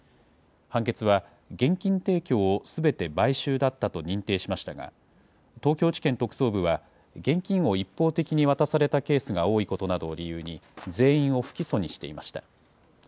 判決は現金提供をすべて買収だったと認定しましたが、東京地検特捜部は、現金を一方的に渡されたケースが多いことなどを理由に、全員を不起訴にしていました。